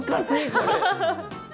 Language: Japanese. これ。